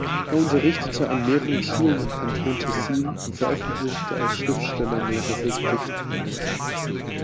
Er unterrichtete an mehreren Schulen im Kanton Tessin und veröffentlichte als Schriftsteller mehrere Gedichtbände.